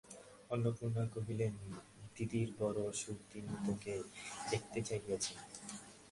অন্নপূর্ণা কহিলেন, দিদির বড়ো অসুখ, তিনি তোকে দেখিতে চাহিয়াছেন।